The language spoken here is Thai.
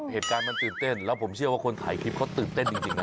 เหตุการณ์มันตื่นเต้นแล้วผมเชื่อว่าคนถ่ายคลิปเขาตื่นเต้นจริงนะ